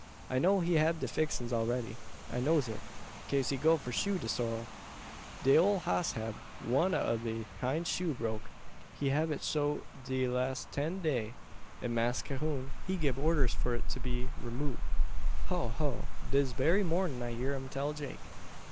I know he hab de fixins all ready. I knows it, kase he go for shoe de sorrel. De ole hoss hab one ob de hind shoe broke. He hab it so de lass ten day; an Mass Cahoon, he gib orders for it be remove. Ho ho! dis berry mornin' I hear um tell Jake."